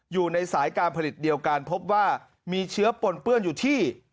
อยู่ในสายการผลิตเดียวกันพบว่ามีเชื้อปนเปื้อนอยู่ที่